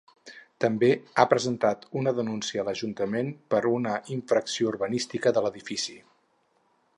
També ha presentat una denúncia a l'Ajuntament per una infracció urbanística de l'edifici.